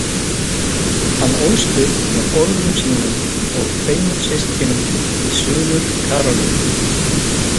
Hann ólst upp með foreldrum sínum og tveimur systkinum í Suður-Karólínu.